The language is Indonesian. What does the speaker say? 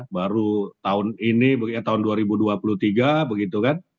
baru tahun ini tahun dua ribu dua puluh tiga begitu kan